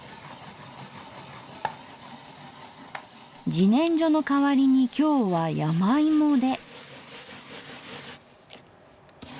じねんじょの代わりに今日は山芋で。